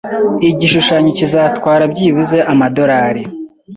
Igishushanyo kizatwara byibuze amadorari